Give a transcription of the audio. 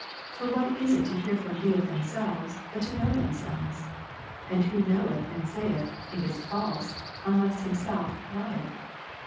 For what is it to hear from Thee of themselves, but to know themselves ? and who knoweth and saith, " It is false," unless himself lieth